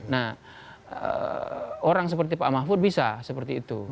nah orang seperti pak mahfud bisa seperti itu